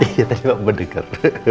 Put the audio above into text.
iya tadi aku berdegar